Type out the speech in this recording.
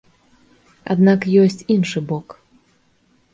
Аднак ёсць іншы бок.